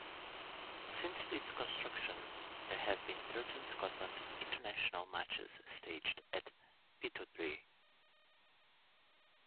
Since its construction, there have been thirteen Scotland international matches staged at Pittodrie.